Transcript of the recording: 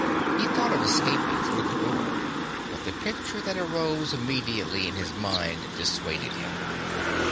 He thought of escaping through the door, but the picture that arose immediately in his mind dissuaded him.